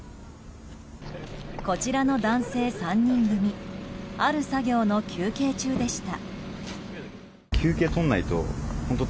こちらの男性３人組ある作業の休憩中でした。